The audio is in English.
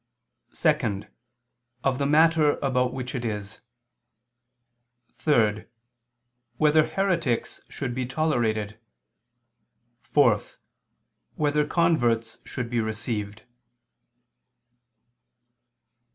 (2) Of the matter about which it is; (3) Whether heretics should be tolerated? (4) Whether converts should be received?